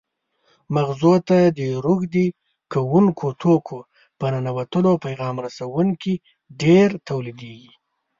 مغزو ته د روږدي کوونکو توکو په ننوتلو پیغام رسوونکي ډېر تولیدېږي.